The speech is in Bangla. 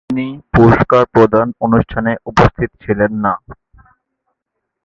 তিনি পুরস্কার প্রদান অনুষ্ঠানে উপস্থিত ছিলেন না।